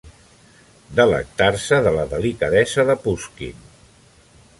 Delectar-se de la delicadesa de Pushkin.